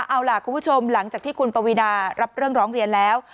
เอาล่ะคุณผู้ชมหลังจากที่คุณปวีนารับเรื่องร้องเรียนแล้ว